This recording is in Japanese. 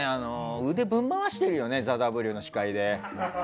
腕、ぶん回しているよね「ＴＨＥＷ」の司会で。